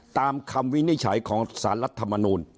ตามคำวินิจฉัยของสารรัฐมนูล